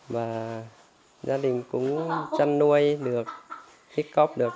và gia đình cũng chăn nuôi được thích cóp được